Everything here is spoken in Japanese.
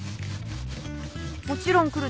もちろん来る